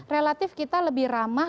relatif kita lebih ramah